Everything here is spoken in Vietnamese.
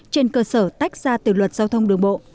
trên cơ sở tách ra từ luật giao thông đường bộ